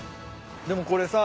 でもこれさ